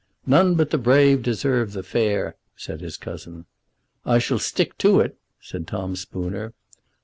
"None but the brave deserve the fair," said his cousin. "I shall stick to it," said Tom Spooner.